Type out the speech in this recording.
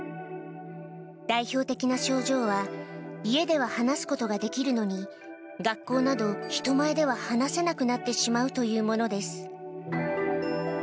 代表的な症状は、家では話すことができるのに、学校など、人前では話せなくなってしまうというものです。